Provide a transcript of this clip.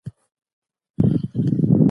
دا یو کوچنی خدمت دی.